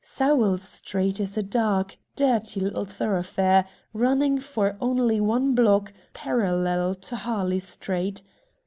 Sowell Street is a dark, dirty little thoroughfare, running for only one block, parallel to Harley Street.